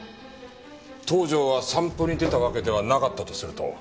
東条は散歩に出たわけではなかったとすると。